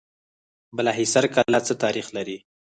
بالاحصار کلا څه تاریخ لري؟